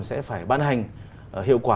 sẽ phải ban hành hiệu quả